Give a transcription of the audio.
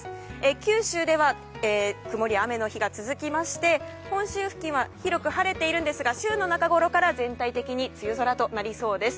九州では曇りや雨の日が続きまして本州付近は広く晴れているんですが週の中ごろから全体的に梅雨空となりそうです。